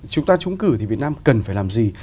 chúng ta trúng cử thì việt nam cần phải làm gì